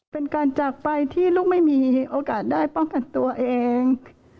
เป็นการจากไปที่ลูกไม่มีโอกาสได้ป้องกันตัวเอง